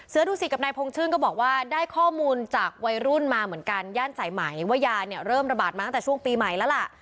ดูสิกับนายพงชื่นก็บอกว่าได้ข้อมูลจากวัยรุ่นมาเหมือนกันย่านสายไหมว่ายาเนี่ยเริ่มระบาดมาตั้งแต่ช่วงปีใหม่แล้วล่ะ